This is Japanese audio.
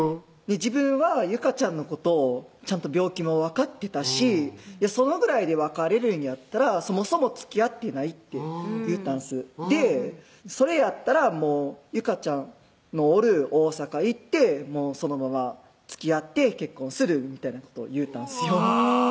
「自分はゆかちゃんのことをちゃんと病気も分かってたしそのぐらいで別れるんやったらそもそもつきあってない」って言ったんですで「それやったらもうゆかちゃんのおる大阪行ってそのままつきあって結婚する」みたいなことを言うたんですよ